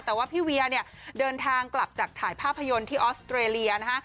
แต่ว่าพี่เวียเนี่ยเดินทางกลับจากถ่ายภาพยนตร์ที่ออสเตรเลียนะฮะ